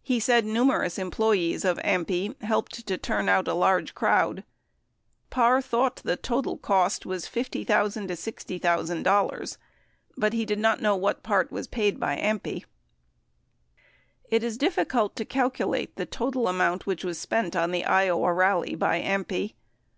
He said numerous employees of AMPI helped to turn out a large crowd. 57 Parr thought the total cost was $50,000 $60,000, but he did not know what part was paid by AMPI. It is difficult to calculate the total amount which was spent on the Iowa rally by AMPI.